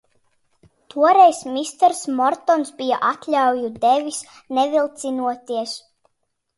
Toreiz misters Mortons bija atļauju devis nevilcinoties.